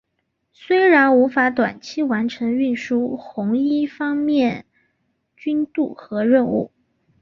显然无法短期完成运输红一方面军渡河任务。